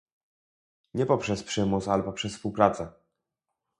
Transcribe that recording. nie poprzez przymus, ale poprzez współpracę